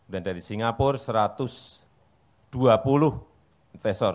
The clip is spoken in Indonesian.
dan dari singapura satu ratus dua puluh investor